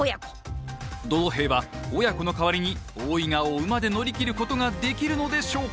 どど平は親子の代わりに大井川を馬で乗り切ることができるのでしょうか。